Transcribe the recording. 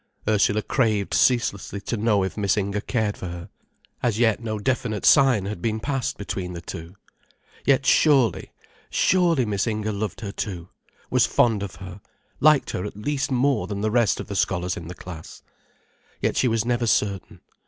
Ursula craved ceaselessly to know if Miss Inger cared for her. As yet no definite sign had been passed between the two. Yet surely, surely Miss Inger loved her too, was fond of her, liked her at least more than the rest of the scholars in the class. Yet she was never certain.